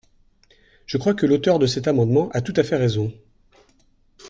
Je crois que l’auteure de cet amendement a tout à fait raison.